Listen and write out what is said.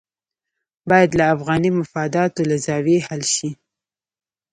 باید له افغاني مفاداتو له زاویې حل شي.